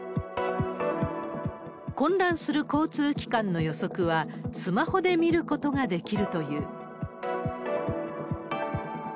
混乱する交通機関の予測は、スマホで見ることができるという。